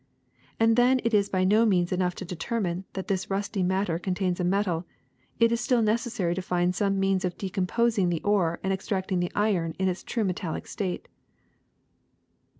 And then it is by no means enough to determine that this rusty matter contains a metal; it is still necessary to find some means of decomposing the ore and extracting the iron in its true metallic state.